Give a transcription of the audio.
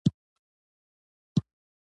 په دهلیز کې یې یو خوړین کارپېټ هوار کړی و.